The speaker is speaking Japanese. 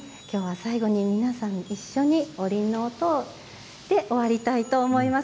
最後に皆さん一緒におりんの音で終わりたいと思います。